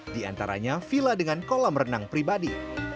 di antaranya villa dengan kolam renang pribadi